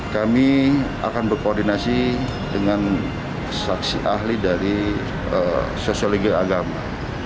kami akan berkoordinasi dengan saksi ahli dari sosiologi agama